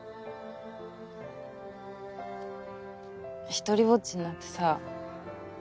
ひとりぼっちになってさ